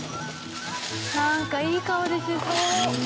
なんかいい香りしそう。